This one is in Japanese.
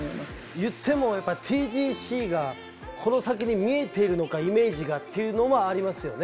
言ってもやっぱりＴＧＣがこの先に見えているのかイメージがっていうのもありますよね